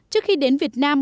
trước khi đến việt nam